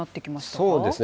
そうですね。